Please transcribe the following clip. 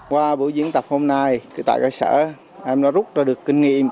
qua buổi diễn tập hôm nay tại cơ sở em đã rút ra được kinh nghiệm